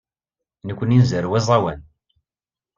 Nekkni nzerrew aẓawan.